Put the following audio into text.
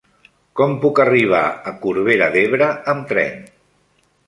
Com puc arribar a Corbera d'Ebre amb tren?